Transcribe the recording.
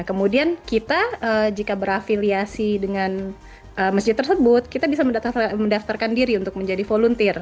kemudian kita jika berafiliasi dengan masjid tersebut kita bisa mendaftarkan diri untuk menjadi volunteer